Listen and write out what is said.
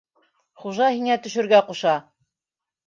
Хужа һиңә төшөргә ҡуша!